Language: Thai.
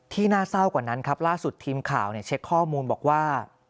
น่าเศร้ากว่านั้นครับล่าสุดทีมข่าวเช็คข้อมูลบอกว่า